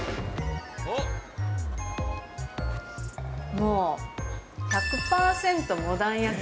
もう１００％モダン焼き。